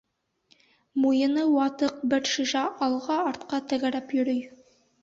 Муйыны ватыҡ бер шешә алға-артҡа тәгәрәп йөрөй.